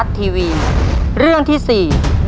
คำถามทั้งหมด๕เรื่องมีดังนี้ครับ